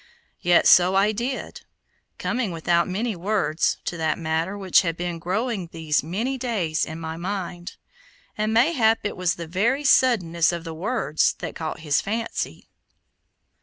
Yet so I did, coming without many words to that matter which had been growing these many days in my mind, and mayhap it was the very suddenness of the words that caught his fancy.